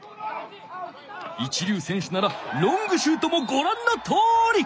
いちりゅう選手ならロングシュートもごらんのとおり！